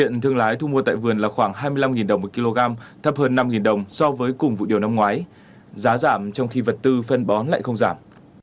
mua tại vườn là khoảng hai mươi năm đồng một kg thấp hơn năm đồng so với cùng vụ điều năm ngoái giá giảm trong khi vật tư phân bón lại không giảm